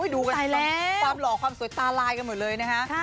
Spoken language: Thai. ดูกันความหล่อความสวยตาลายกันหมดเลยนะฮะ